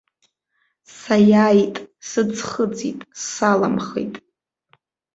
Саиааит, сыӡхыҵит, саламхеит.